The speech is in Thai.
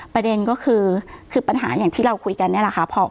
ประเด็นก็คือคือปัญหาอย่างที่เราคุยกันนี่แหละค่ะ